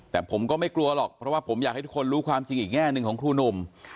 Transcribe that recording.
แต่ผมก็ไม่กลัวหรอกเพราะว่าผมอยากให้ทุกคนรู้ความจริงอีกแง่หนึ่งของครูหนุ่ม